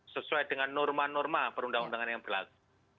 sesuai dengan norma norma perundang undangan yang berlaku